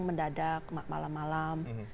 mereka datang mendadak malam malam